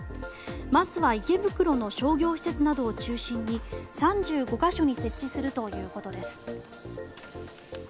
まずは池袋の商業施設などを中心に３５か所に設置するということです。